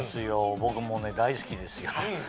僕もね大好きですよ。